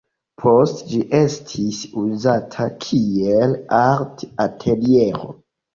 Poste ĝi estis uzata kiel art-ateliero.